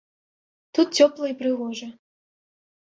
Тут цёпла і прыгожа.